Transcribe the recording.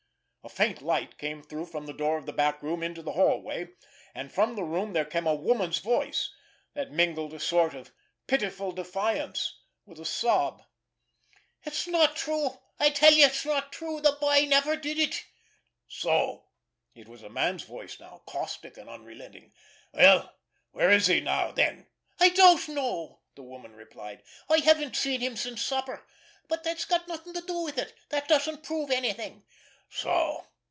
A faint light came through from the door of the back room into the hallway, and from the room there came a woman's voice that mingled a sort of pitiful defiance with a sob. "It's not true! I tell you it's not true! The boy never did it!" "So!" It was a man's voice now, caustic and unrelenting. "Well, where is he now, then?" "I don't know," the woman replied. "I haven't seen him since supper. But that's got nothing to do with it. That doesn't prove anything." "So!"